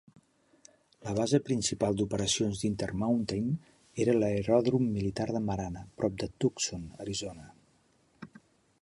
La base principal d'operacions d'Intermountain era l'aeròdrom militar de Marana, prop de Tucson (Arizona).